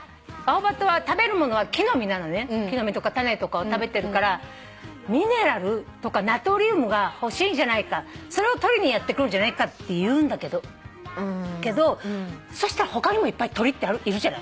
木の実とか種とかを食べてるからミネラルとかナトリウムが欲しいんじゃないかそれを取りにやって来るんじゃないかっていうんだけどけどそしたら他にもいっぱい鳥っているじゃない。